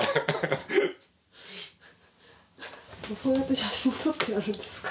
そうやって写真撮ってあるんですか？